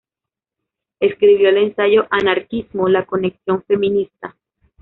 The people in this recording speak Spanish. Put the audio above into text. Escribió el ensayo "Anarquismo: La conexión feminista".